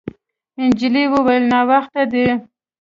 نجلۍ وویل: «ناوخته دی.»